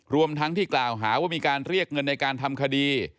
รวมทั้งที่กล่าวหาว่ามีการเรียกเงินในการทำคดี